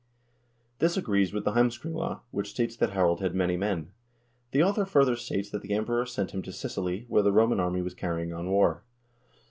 This agrees with the " Heimskringla," which states that Harald had many men. The author further states that the Emperor sent him to Sicily, where the Roman army was carrying on war.